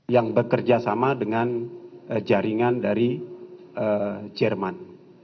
yang bekerja sama dengan jaringan dari jerman